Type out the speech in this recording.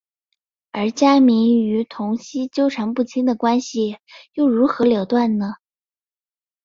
而家明与童昕纠缠不清的关系又如何了断呢？